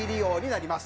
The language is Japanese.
なります。